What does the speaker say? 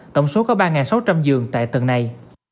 tổng số có ba sáu trăm linh giường tại tầng này